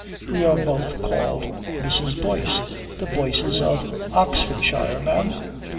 We are both called Mrs. Boyce. The Boyces of Oxfordshire, ma'am?"